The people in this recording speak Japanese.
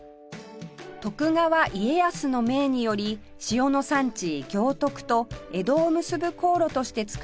徳川家康の命により塩の産地行徳と江戸を結ぶ航路として造られた新川